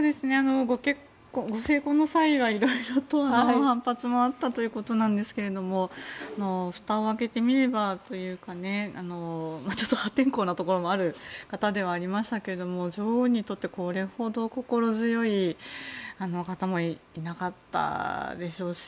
ご成婚の際はいろいろと反発もあったということですがふたを開けてみればというかちょっと破天荒なところもある方ではありましたが女王にとってこれほど心強い方もいなかったでしょうし。